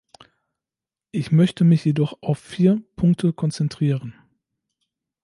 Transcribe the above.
Ich möchte mich jedoch auf vier Punkte konzentrieren.